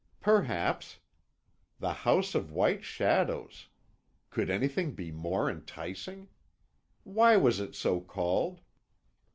"Perhaps. The House of White Shadows! Could anything be more enticing? Why was it so called?"